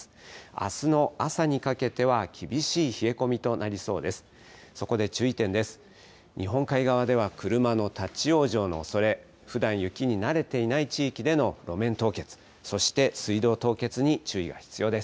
あすの朝にかけては厳しい冷え込みとなりそうです。